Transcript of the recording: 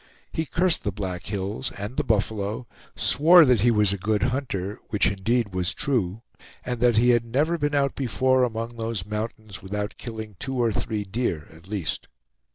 He cursed the Black Hills and the buffalo, swore that he was a good hunter, which indeed was true, and that he had never been out before among those mountains without killing two or three deer at least.